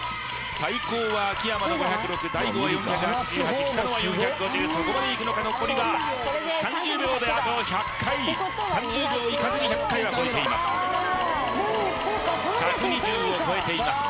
最高は秋山の５０６大悟は４８８北乃は４５０そこまでいくのか残りは３０秒であと１００回３０秒いかずに１００回は超えています１２０を超えています